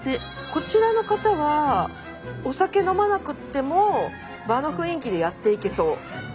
こちらの方はお酒飲まなくっても場の雰囲気でやっていけそう。